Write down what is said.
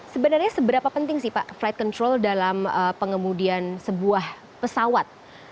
sebenarnya seberapa penting sih pak flight control dalam pengemudian sebuah pesawat